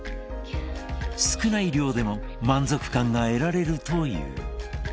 少ない量でも満足感が得られるという。